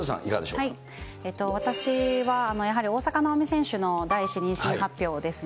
私は、やはり大坂なおみ選手の第１子妊娠発表ですね。